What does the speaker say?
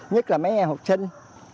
nhất là mấy em học sinh